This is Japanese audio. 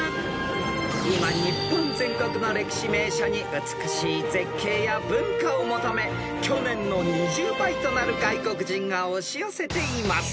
［今日本全国の歴史名所に美しい絶景や文化を求め去年の２０倍となる外国人が押し寄せています］